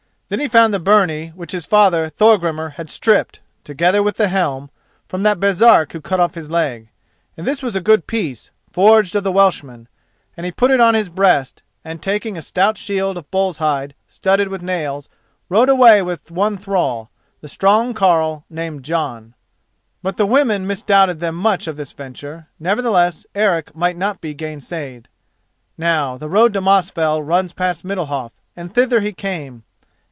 Then he found the byrnie which his father Thorgrimur had stripped, together with the helm, from that Baresark who cut off his leg—and this was a good piece, forged of the Welshmen—and he put it on his breast, and taking a stout shield of bull's hide studded with nails, rode away with one thrall, the strong carle named Jon. But the women misdoubted them much of this venture; nevertheless Eric might not be gainsayed. Now, the road to Mosfell runs past Middalhof and thither he came.